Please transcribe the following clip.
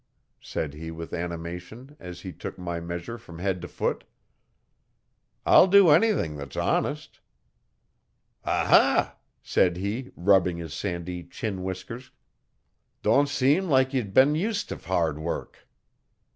said he with animation, as he took my measure from head to foot. 'I'll do anything that's honest.' 'Ah ha!' said he, rubbing his sandy chin whiskers. 'Don't seem like ye'd been used to hard wurruk.'